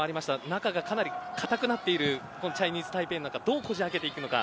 中がかなり硬くなっているチャイニーズタイペイをどうこじ開けていくのか。